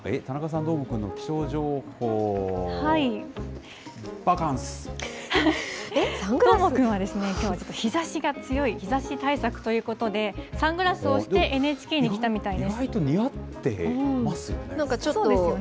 どーもくんは、きょうちょっと日ざしが強い、日ざし対策ということで、サングラスをして、Ｎ意外と似合ってますよね。